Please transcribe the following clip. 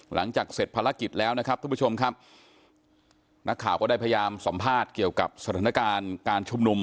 หลังจากเสร็จภารกิจแล้วนะครับทุกผู้ชมครับนักข่าวก็ได้พยายามสัมภาษณ์เกี่ยวกับสถานการณ์การชุมนุม